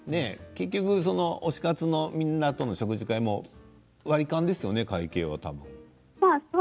結局推し活のみんなとの食事会も割り勘ですよね、会計は、多分。